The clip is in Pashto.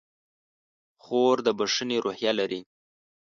خور د بښنې روحیه لري.